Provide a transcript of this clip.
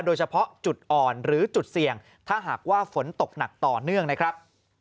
โดยเฉพาะจุดอ่อนหรือจุดเสี่ยงถ้าหากว่าฝนตกหนักต่อเนื่องนะครับ